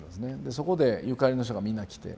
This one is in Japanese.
そこでゆかりの人がみんな来て。